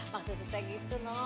maksudnya gitu non